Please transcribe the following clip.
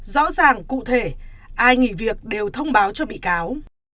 rõ ràng cụ thể ai nghỉ việc đều thông báo cho bị cáo